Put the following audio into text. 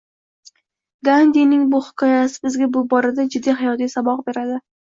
Gandining bu hikoyasi bizga bu borada jiddiy hayotiy saboq beradi